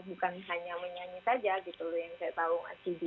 bukan hanya menyanyi saja gitu loh yang saya tahu mas didi